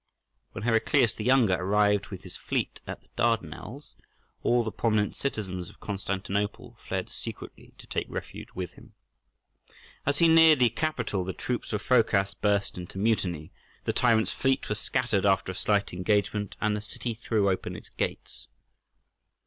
When Heraclius the younger arrived with his fleet at the Dardanelles, all the prominent citizens of Constantinople fled secretly to take refuge with him. As he neared the capital the troops of Phocas burst into mutiny: the tyrant's fleet was scattered after a slight engagement, and the city threw open its gates.